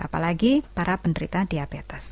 apalagi para penderita diabetes